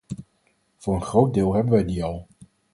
Voor een groot deel hebben wij die al.